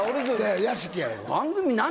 屋敷やろ。